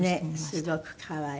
すごく可愛い。